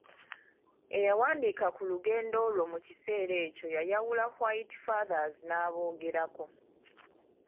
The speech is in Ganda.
Eyawandiika ku lugendo olwo mu kiseera ekyo yayawula White Fathers n'aboogerako.